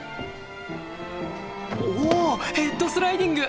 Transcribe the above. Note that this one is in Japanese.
おヘッドスライディング！